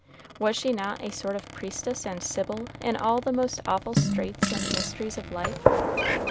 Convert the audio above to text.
Was she not a sort of priestess and sibyl in all the most awful straits and mysteries of life?